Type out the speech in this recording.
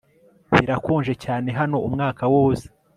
Birakonje cyane hano umwaka wose